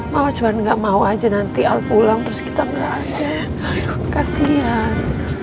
mau coba gak mau aja nanti al pulang terus kita berada kasian